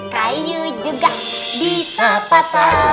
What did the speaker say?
kayu juga bisa patah